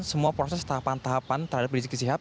semua proses tahapan tahapan terhadap rizik sihab